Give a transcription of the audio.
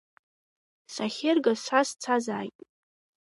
Сахьыргаз са сцазааит.